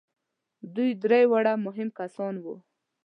دوی درې واړه مهم کسان وو.